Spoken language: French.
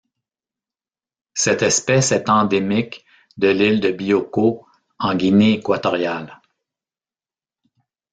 Cette espèce est endémique de l'île de Bioko en Guinée équatoriale.